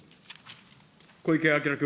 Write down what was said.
小池晃君。